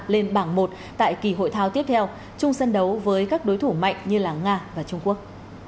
lên bảng một tại kỳ hội thao tiếp theo chung sân đấu với các đối thủ mạnh như nga và trung quốc